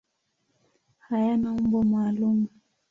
Hayana umbo maalum.